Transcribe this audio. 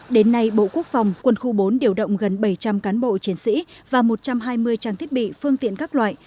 đến nay bộ quốc phòng quân khu bốn điều động gần bảy trăm linh cán bộ chiến sĩ và một trăm hai mươi trang thiết bị phương tiện các loại